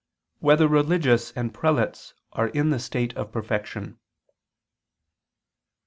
5] Whether Religious and Prelates Are in the State of Perfection?